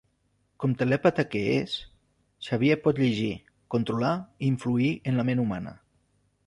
Com telèpata que és, Xavier pot llegir, controlar i influir en la ment humana.